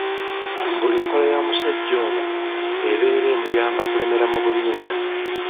Mbuli nkola ya musajja ono ebeera emuyamba kulemera mu buyinza.